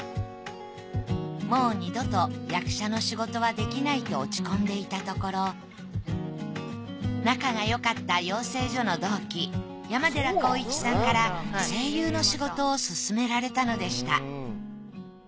もう二度と役者の仕事はできないと落ち込んでいたところ仲がよかった養成所の同期山寺宏一さんから声優の仕事を勧められたのでした。